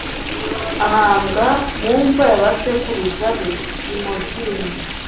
ahambwa mu mva y'abasekuruza be i modini